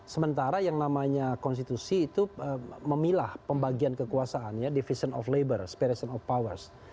sementara yang namanya konstitusi itu memilah pembagian kekuasaannya division of labor separation of powers